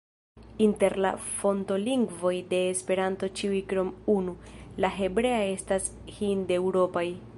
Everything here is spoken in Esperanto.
Inter la fontolingvoj de Esperanto ĉiuj krom unu, la hebrea, estas hindeŭropaj.